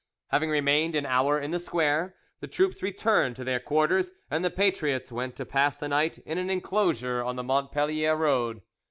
Having remained an hour in the square, the troops returned to their quarters, and the patriots went to pass the night in an inclosure on the Montpellier road.